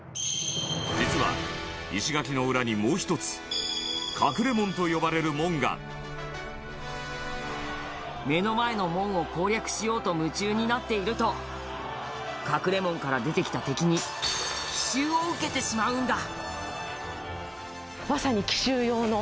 実は、石垣の裏にもう１つ「隠門」と呼ばれる門が目の前の門を攻略しようと夢中になっていると隠門から出てきた敵に奇襲を受けてしまうんだまさに奇襲用の。